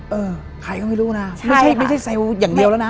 เออใครก็ไม่รู้นะไม่ใช่ไม่ใช่เซลล์อย่างเดียวแล้วนะ